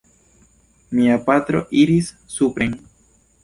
Mia patro iris supren.